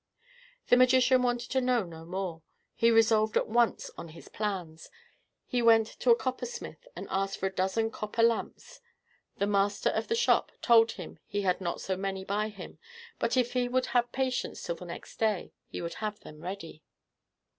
The magician wanted to know no more. He resolved at once on his plans. He went to a coppersmith, and asked for a dozen copper lamps: the master of the shop told him he had not so many by him, but if he would have patience till the next day, he would have them ready.